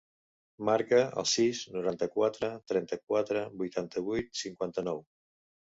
Marca el sis, noranta-quatre, trenta-quatre, vuitanta-vuit, cinquanta-nou.